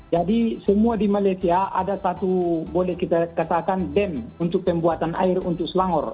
jadi semua di malaysia ada satu boleh kita katakan dam untuk pembuatan air untuk selangor